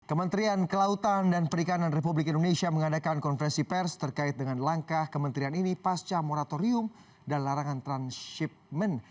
kementerian kelautan dan perikanan republik indonesia mengadakan konferensi pers terkait dengan langkah kementerian ini pasca moratorium dan larangan transhipment